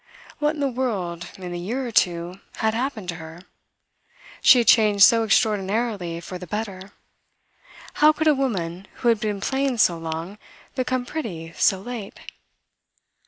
What in the world, in the year or two, had happened to her? She had changed so extraordinarily for the better. How could a woman who had been plain so long become pretty so late?